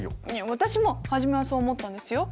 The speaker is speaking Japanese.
私も初めはそう思ったんですよ。